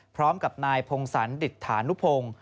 พร้อมกับนายพงศรดิษฐานุพงศ์